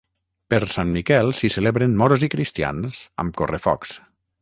Per sant Miquel s'hi celebren Moros i Cristians amb correfocs.